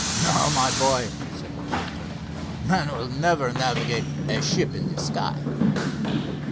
"No, my boy," said the planter; "man will never navigate a ship in the sky."